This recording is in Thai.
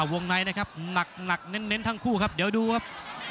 วงในนะครับหนักเน้นทั้งคู่ครับเดี๋ยวดูครับ